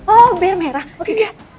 oh bear merah oke